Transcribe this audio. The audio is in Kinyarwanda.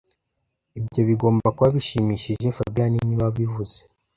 Ibyo bigomba kuba bishimishije fabien niwe wabivuze